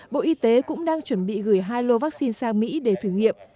bộ y tế cũng đang chuẩn bị gửi hai lô vaccine sang mỹ để thử nghiệm